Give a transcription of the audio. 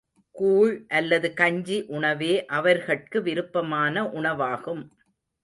கூழ் அல்லது கஞ்சி உணவே அவர்கட்கு விருப்பமான உணவாகும்.